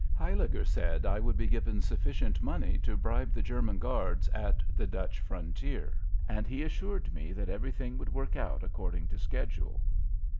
Huyliger said I would be given sufficient money to bribe the German guards at the Dutch frontier, and he assured me that everything would work out according to schedule.